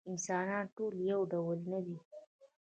انسانان ټول یو ډول نه دي.